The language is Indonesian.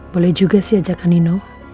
boleh juga sih ajakan nino